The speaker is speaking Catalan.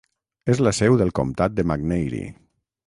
És la seu del comtat de McNairy.